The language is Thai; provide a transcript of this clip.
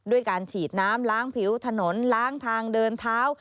ด้วยการฉีดน้ำล้างผิวถนนล้างทางเดินเท้า